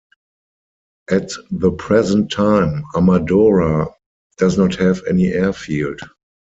At the present time Amadora does not have any airfield.